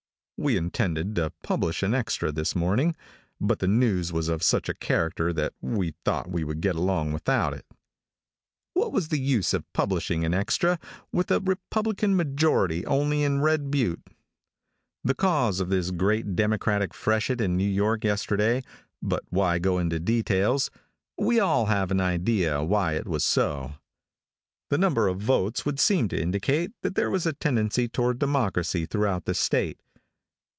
We intended to publish an extra this morning, but the news was of such a character, that we thought we would get along without it. What was the use of publishing an extra with a Republican majority only in Red Buttes. The cause of this great Democratic freshet in New York yesterday but why go into details, we all have an idea why it was so. The number of votes would seem to indicate that there was a tendency toward Democracy throughout the State.